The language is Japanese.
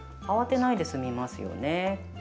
慌てないで済みますよね。